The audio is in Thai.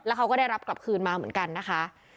เขาก็ได้รับกลับคืนมาเหมือนกันนะคะ